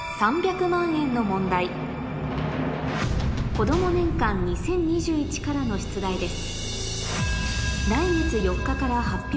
『子ども年鑑２０２１』からの出題です